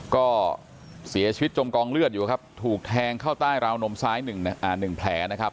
ก็เสียชีวิตจมกองเลือดอยู่ครับถูกแทงเข้าใต้ราวนมซ้าย๑แผลนะครับ